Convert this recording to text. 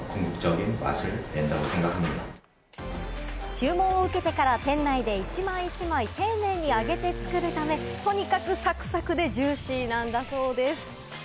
注文を受けてから店内で一枚一枚、丁寧に揚げて作るため、とにかくサクサクでジューシーなんだそうです。